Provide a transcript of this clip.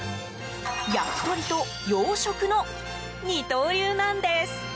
焼き鳥と洋食の二刀流なんです。